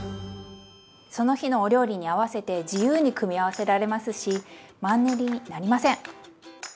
その日のお料理に合わせて自由に組み合わせられますしマンネリになりません！